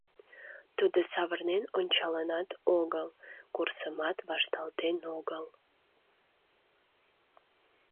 Тудо савырнен ончалынат огыл, курсымат вашталтен огыл.